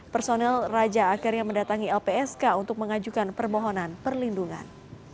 personel raja akhirnya mendatangi lpsk untuk mengajukan permohonan perlindungan